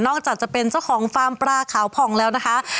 จากจะเป็นเจ้าของฟาร์มปลาขาวผ่องแล้วนะคะ